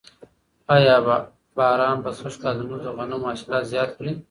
آیا باران به سږکال زموږ د غنمو حاصلات زیات کړي؟